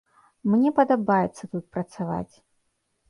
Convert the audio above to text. Мне падабаецца тут працаваць.